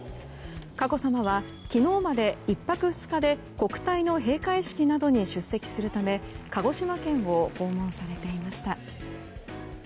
佳子さまは、昨日まで１泊２日で国体の閉会式などに出席するため鹿児島県を訪問されていました。